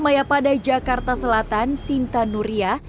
mayapada jakarta selatan sinta nuria